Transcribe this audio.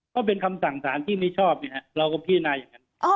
ก็เป็นคำสั่งสารที่ไม่ชอบเราก็พิจารณาอย่างนั้น